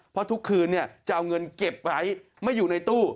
เพราะทุกคืนจะเอาเงินเก็บไว้ไม่อยู่ในตู้